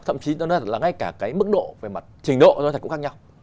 thậm chí là ngay cả cái mức độ về mặt trình độ cũng khác nhau